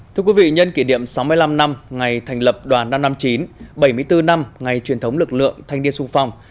thưa quý vị nhân kỷ niệm sáu mươi năm năm ngày thành lập đoàn năm trăm năm mươi chín bảy mươi bốn năm ngày truyền thống lực lượng thanh niên sung phong